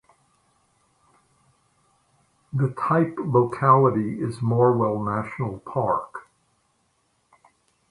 The type locality is Morwell National Park.